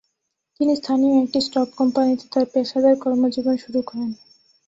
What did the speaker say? তিনি স্থানীয় একটি স্টক কোম্পানিতে তার পেশাদার কর্মজীবন শুরু করেন।